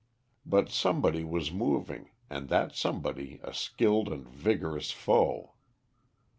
But somebody was moving and that somebody a skilled and vigorous foe.